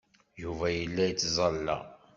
Yuba yella yettẓalla.